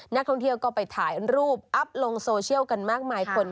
นักท่องเที่ยวก็ไปถ่ายรูปอัพลงโซเชียลกันมากมายคน